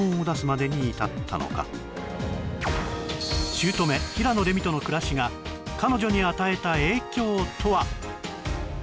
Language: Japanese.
姑・平野レミとの暮らしが彼女に与えた影響とは？